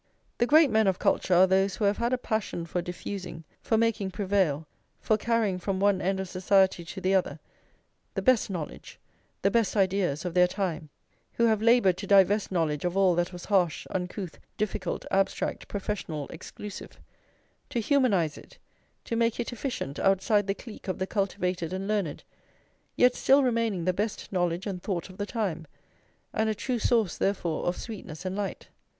The great men of culture are those who have had a passion for diffusing, for making prevail, for carrying from one end of society to the other, the best knowledge, the best ideas of their time; who have laboured to divest knowledge of all that was harsh, uncouth, difficult, abstract, professional, exclusive; to humanise it, to make it efficient outside the clique of the cultivated and learned, yet still remaining the best knowledge and thought of the time, and a true source, therefore, of sweetness and light.